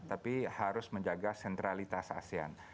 tapi harus menjaga sentralitas asean